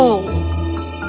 aku tidak tahu dia kenapa